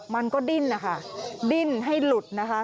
มันก็ดิ้นนะคะดิ้นให้หลุดนะคะ